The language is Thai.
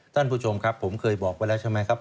ท่านผู้ชมครับผมเคยบอกไว้แล้วใช่ไหมครับ